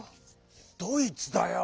「ドイツ」だよ！